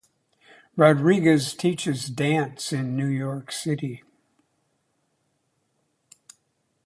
Rodriguez teaches dance in New York City.